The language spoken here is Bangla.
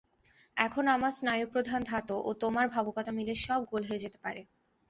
এখন আমার স্নায়ুপ্রধান ধাত ও তোমার ভাবুকতা মিলে সব গোল হয়ে যেতে পারে।